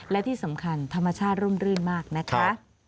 และที่สำคัญธรรมชาติร่มรื่นมากนะคะ